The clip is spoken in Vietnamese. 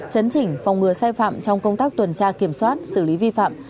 chấn chỉnh phòng ngừa sai phạm trong công tác tuần tra kiểm soát xử lý vi phạm